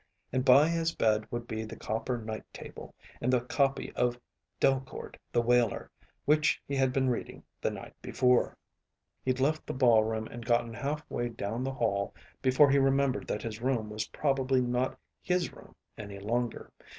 And by his bed would be the copper night table, and the copy of Delcord the Whaler which he had been reading the night before. He'd left the ballroom and gotten halfway down the hall before he remembered that his room was probably not his room any longer.